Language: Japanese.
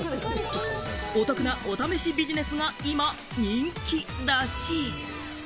お得なお試しビジネスが今、人気らしい。